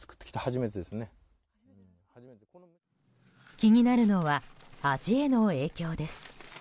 気になるのは味への影響です。